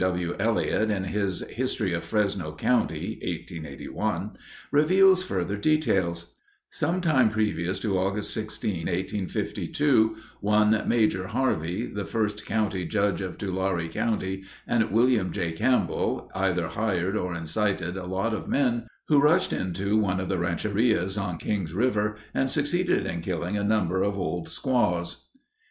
W. W. Elliott, in his History of Fresno County (1881), reveals further details: "Sometime previous to August 16, 1852, one Major Harvey, the first county Judge of Tulare County, and Wm. J. Campbell, either hired or incited a lot of men, who rushed into one of the rancherias on Kings River and succeeded in killing a number of old squaws."